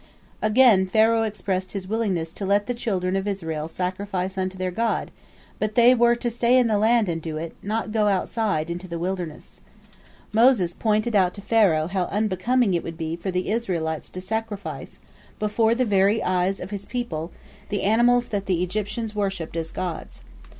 Again Pharaoh expressed his willingness to let the children of Israel sacrifice unto their God, but they were to stay in the land and do it, not go outside, into the wilderness. Moses pointed out to Pharaoh how unbecoming it would be for the Israelites to sacrifice, before the very eyes of his people, the animals that the Egyptians worshipped as gods.